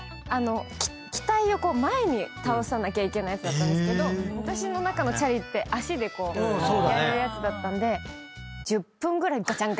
機体を前に倒さなきゃいけないやつだったんですけど私の中のチャリって足でこうやるやつだったんで。